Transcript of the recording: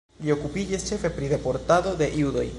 Li okupiĝis ĉefe pri deportado de judoj.